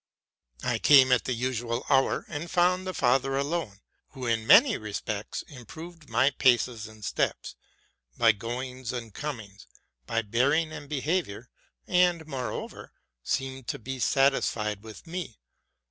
I came at the usual hour, and RELATING TO MY LIFE. 327 found the father alone, who, in many respects, improved my paces and steps, my goings and comings, my bearing and behavior, and, moreover, seemed to be satisfied with me.